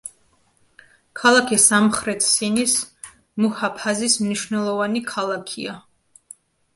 ქალაქი სამხრეთ სინის მუჰაფაზის მნიშვნელოვანი ქალაქია.